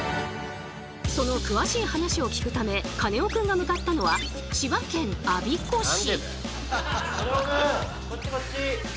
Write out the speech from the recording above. その詳しい話を聞くためカネオくんが向かったのは千葉県我孫子市。